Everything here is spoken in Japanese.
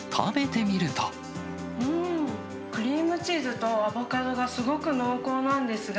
うーん、クリームチーズとアボカドがすごく濃厚なんですが、